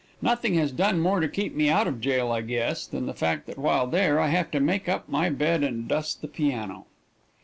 Nothing has done more to keep me out of jail, I guess, than the fact that while there I have to make up my bed and dust the piano.